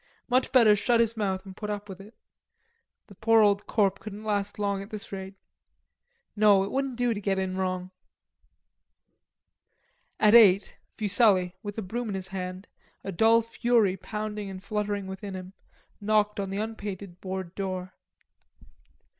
Much better shut his mouth and put up with it. The poor old corp couldn't last long at this rate. No, it wouldn't do to get in wrong. At eight, Fuselli, with a broom in his hand, feeling dull fury pounding and fluttering within him, knocked on the unpainted board door.